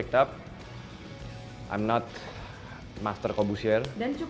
aku bukan master kubusier